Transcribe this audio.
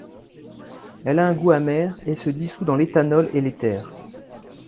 Elle a un goût amer, et se dissout dans l'éthanol et l'éther.